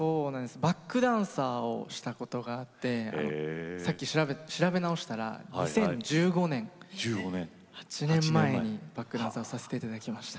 バックダンサーをしたことがあってさっき調べ直したら２０１５年８年前にバックダンサーをさせていただきました。